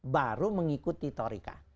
baru mengikuti torika